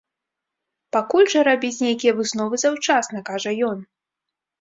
Пакуль жа рабіць нейкія высновы заўчасна, кажа ён.